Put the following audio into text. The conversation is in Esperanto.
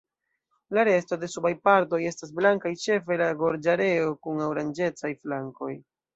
La resto de subaj partoj estas blankaj ĉefe la gorĝareo kun oranĝecaj flankoj.